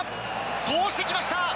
通していきました。